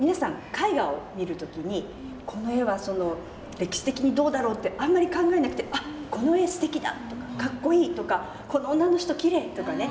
絵画を見る時にこの絵は歴史的にどうだろう？ってあんまり考えなくて「あっこの絵すてきだ」とか「かっこいい」とか「この女の人きれい」とかね